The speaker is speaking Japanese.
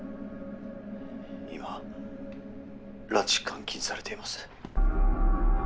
今拉致監禁されています。